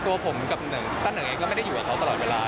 ตัวผมกับหนึ่งท่านหนึ่งเองก็ไม่ได้อยู่กับเขาตลอดเวลา